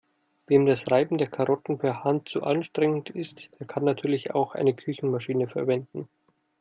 Wem das Reiben der Karotten per Hand zu anstrengend ist, der kann natürlich auch eine Küchenmaschine verwenden.